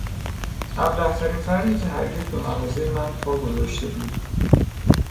ابلهترین فردی که هرگز به مغازهی من پا گذاشته بود